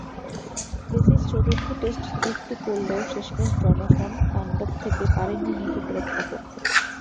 Places চতুর্থ test fifty করলেও শেষমেশ জনসন-তান্ডব থেকে পারেননি নিজেকে রক্ষা করতে।